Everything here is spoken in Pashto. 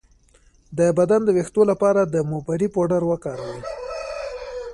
د بدن د ویښتو لپاره د موبری پوډر وکاروئ